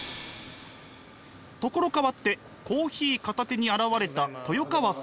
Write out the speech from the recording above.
所変わってコーヒー片手に現れた豊川さん。